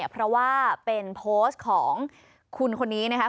เพราะว่าเป็นโพสต์ของคุณคนนี้นะคะ